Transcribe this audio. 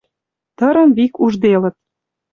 Тырым вик ужделыт.